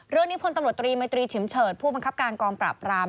เรื่องนี้พลตำรวจตรีไมตรีชิมเฉิดผู้บังคับการกองประปราม